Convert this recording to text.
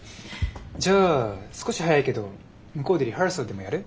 じゃあ少し早いけど向こうでリハーサルでもやる？